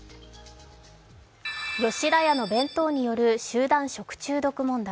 吉田屋の弁当による集団食中毒問題。